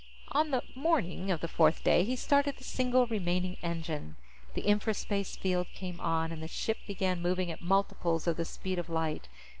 On the "morning" of the fourth day, he started the single remaining engine. The infraspace field came on, and the ship began moving at multiples of the speed of light.